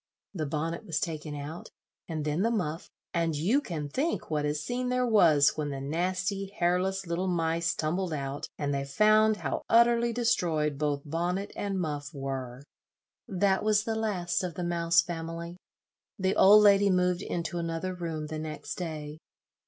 The bonnet was taken out, and then the muff, and you can think what a scene there was when the nasty hairless little mice tumbled out, and they found how utterly destroyed both bonnet and muff were. That was the last of the Mouse family. The old lady moved into another room the next day.